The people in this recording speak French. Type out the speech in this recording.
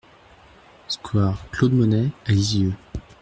Square Claude Monet à Lisieux